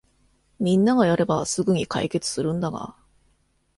みんながやればすぐに解決するんだが